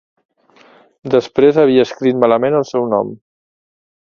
Després havia escrit malament el seu nom.